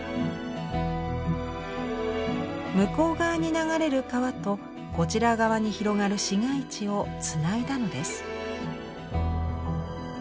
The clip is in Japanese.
向こう側に流れる川とこちら側に広がる市街地をつないだのです。